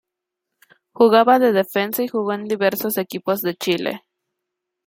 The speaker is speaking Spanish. Jugaba de defensa y jugó en diversos equipos de Chile.